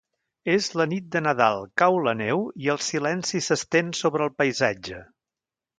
És la Nit de Nadal, cau la neu i el silenci s'estén sobre el paisatge.